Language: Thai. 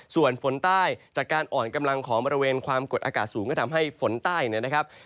ส่วนฝนใต้จากการอ่อนกำลังของบริเวณความกดอากาศสูงก็ทำให้ฝนใต้เนี่ยนะครับ